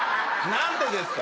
何てですか？